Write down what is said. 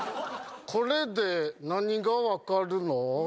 これで何がわかるの？